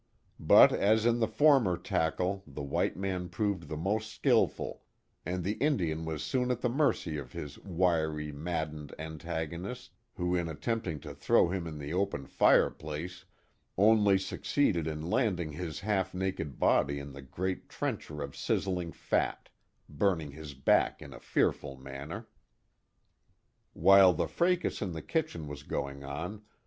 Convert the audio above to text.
But as in the former tackle the white man proved the most skilful and the Indian was soon at the mercy of his wiry, maddened antagonist, who in attempting to throw him into the Ojien fireplace only succeeded in landing his half naked body in the great trencher of sizzling fai, burning his back in a fearful manner. While the fracas in the kitchen was going on.